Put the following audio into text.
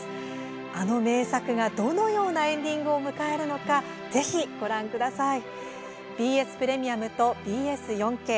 あの名作がどのようなエンディングを迎えるのかぜひご覧ください。